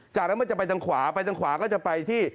จากนั้นมันจะไปทางขวาไปทางขวาก็จะไปที่